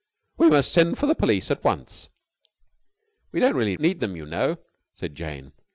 "We must send for the police at once." "We don't really need them, you know," said Jane.